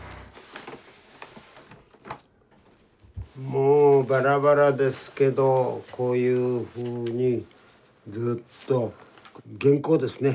もうバラバラですけどこういうふうにずっと原稿ですね